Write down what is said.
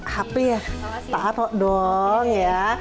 hp ya taruh dong ya